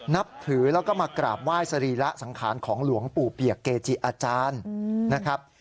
นับถือแล้วก็มากราบไหว้สรีระสังขารของหลวงปู่เปียกเกจิอาจารย์นะครับ